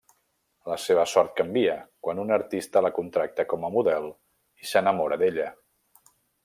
La seva sort canvia quan un artista la contracta com a model i s'enamora d'ella.